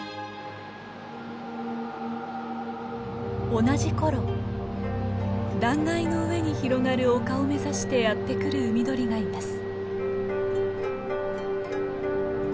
同じ頃断崖の上に広がる丘を目指してやって来る海鳥がいます。